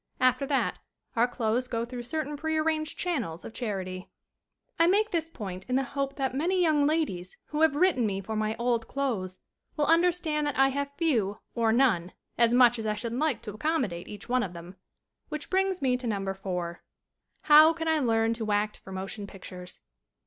After that our clothes go through certain pre arranged channels of charity. 20 SCREEN ACTING I make this point in the hope that many young ladies who have written me for my "old clothes" will understand that I have few or none, as much as I should like to accommodate each one of them. Which brings me to Number 4. "How can I learn to act for motion pic tures?"